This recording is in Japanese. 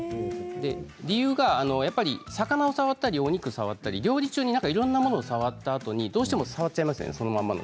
理由がやっぱり、魚を触ったりお肉を触ったり、料理中にいろいろなものを触ったあとにどうしてもそのまま手で触っちゃいますよね。